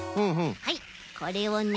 はいこれをねえ。